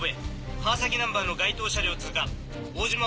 川崎ナンバーの該当車両通過。